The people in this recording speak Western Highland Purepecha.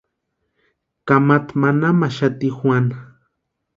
Kamata manamaxati Juana.